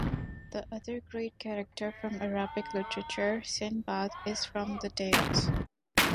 The other great character from Arabic literature, Sinbad, is from the "Tales".